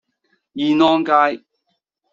燕安街